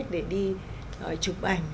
để đi chụp ảnh